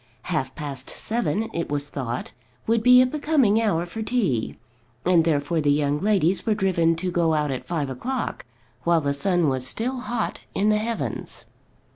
Half past seven, it was thought, would be a becoming hour for tea, and therefore the young ladies were driven to go out at five o'clock, while the sun was still hot in the heavens.